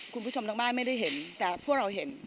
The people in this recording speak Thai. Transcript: คุณผู้ชมทั้งบ้านไม่ได้เห็นแต่พวกเราเห็น